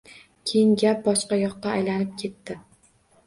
Keyin gap boshqa yoqqa aylanib ketdi.